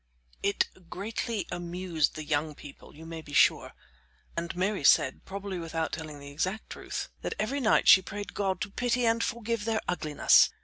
It greatly amused the young people, you may be sure, and Mary said, probably without telling the exact truth, that every night she prayed God to pity and forgive their ugliness.